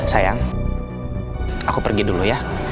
sayang aku pergi dulu ya